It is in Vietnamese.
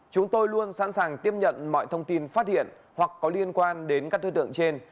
chúng tôi luôn sẵn sàng tiếp nhận mọi thông tin phát hiện hoặc có liên quan đến các đối tượng trên